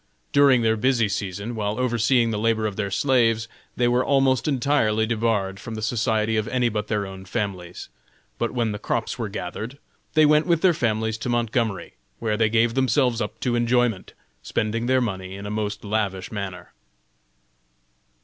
During their busy season, while overseeing the labor of their slaves, they were almost entirely debarred from the society of any but their own families; but when the crops were gathered they went with their families to Montgomery, where they gave themselves up to enjoyment, spending their money in a most lavish manner.